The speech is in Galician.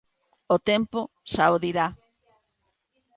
O tempo xa o dirá.